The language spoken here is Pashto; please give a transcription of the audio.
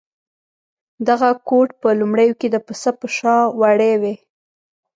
دغه کوټ په لومړیو کې د پسه په شا وړۍ وې.